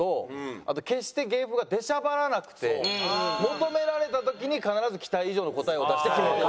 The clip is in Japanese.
あと決して芸風が出しゃばらなくて求められた時に必ず期待以上の答えを出してくる。